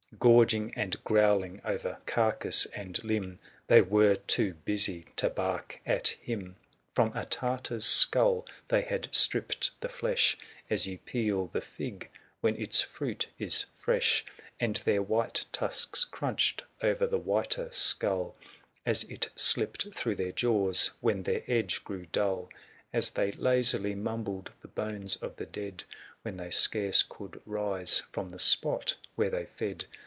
Gorging and growling o'er carcase and limb; They were too busy to bark at him I From a Tartar's skull tiiey had stripped the flesh, As ye peel the fig when its fruit is fresh ; 414 And their white tusks crunched o'er the whiter skull*, As it slipped through their jaws, when their edge grew dull, As they lazily mumbled the bones of the dead, "When they scarce could rise from the spot where they fed